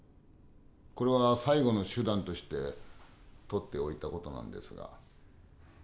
これは最後の手段として取って置いた事なんですが。